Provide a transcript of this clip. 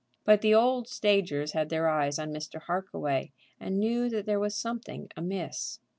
But the old stagers had their eyes on Mr. Harkaway, and knew that there was something amiss.